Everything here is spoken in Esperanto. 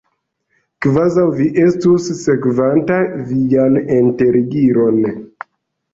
Kvazaŭ vi estus sekvanta vian enterigiron!